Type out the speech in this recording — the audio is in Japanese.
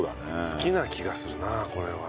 好きな気がするなこれは。